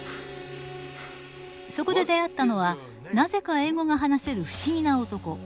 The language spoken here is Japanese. そこで出会ったのはなぜか英語が話せる不思議な男